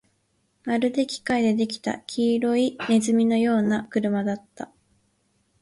まるで機械で出来た黄色い鼠のような車だった